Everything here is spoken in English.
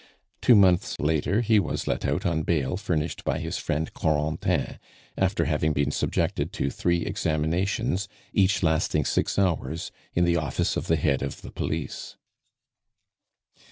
Two months later he was let out on bail furnished by his friend Corentin, after having been subjected to three examinations, each lasting six hours, in the office of the head of the Police.